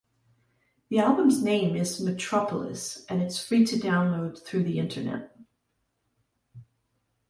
The album's name is "Metropolis", and it's free to download through internet.